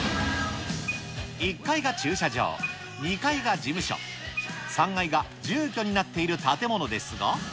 １階が駐車場、２階が事務所、３階が住居になっている建物ですが。